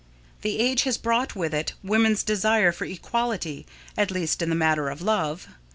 The age has brought with it woman's desire for equality, at least in the matter of love.